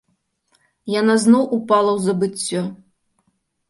Яна зноў упала ў забыццё.